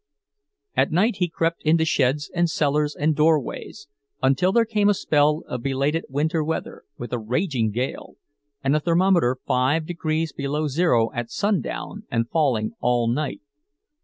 At night he crept into sheds and cellars and doorways—until there came a spell of belated winter weather, with a raging gale, and the thermometer five degrees below zero at sundown and falling all night.